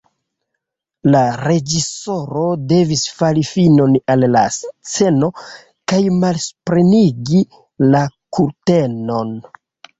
La reĝisoro devis fari finon al la sceno kaj malsuprenigi la kurtenon.